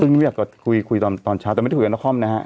ซึ่งไม่ได้คุยกับตอนเช้าแต่ไม่ได้คุยกับนักคล่อมนะฮะ